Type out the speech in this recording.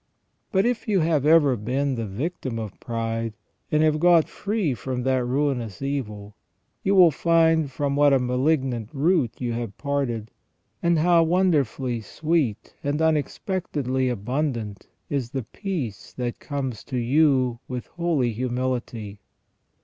But if you have ever been the 390 FROM THE BEGINNING TO THE END OF MAN. victim of pride, and have got free from that ruinous evil, j'ou will find from what a malignant root you have parted, and how wonderfully sweet and unexpectedly abundant is the peace that comes to you with holy humility.